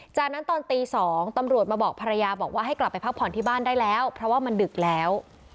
จากนั้นตอนตี๒ตำรวจมาบอกภรรยาบอกว่าให้กลับไปพักผ่อนที่บ้านได้แล้วเพราะว่ามันดึกแล้ว